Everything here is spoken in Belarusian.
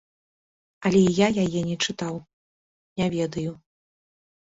Але я яе не чытаў, не ведаю.